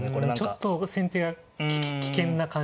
ちょっと先手が危険な感じっていうか。